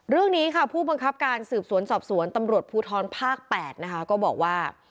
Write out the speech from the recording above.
เรื่องนี้ค่ะผู้บังคับการสืบสวนสอบสวนตำรวจภูทรภาค๘นะคะก็บอกว่า